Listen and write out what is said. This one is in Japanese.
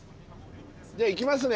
じゃあ行きますね。